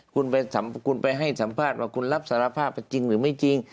คุณไปให้สัมภาษณ์ว่าคุณรับสารภาพจริงหรือไม่จริง